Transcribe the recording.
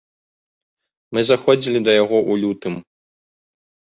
Мы заходзілі да яго ў лютым.